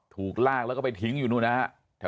ถูกลากแล้วก็ไปทิ้งอยู่นู่นนะฮะ